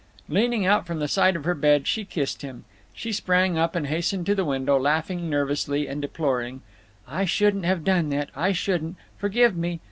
Leaning out from the side of her bed, she kissed him. She sprang up, and hastened to the window, laughing nervously, and deploring: "I shouldn't have done that! I shouldn't! Forgive me!"